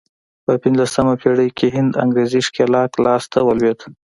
په پنځلسمه پېړۍ کې هند انګرېزي ښکېلاک لاس ته ولوېد.